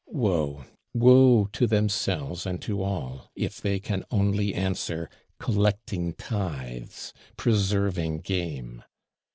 Woe, woe to themselves and to all, if they can only answer; Collecting tithes, Preserving game!